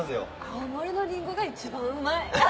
青森のリンゴが一番うまいアハハ。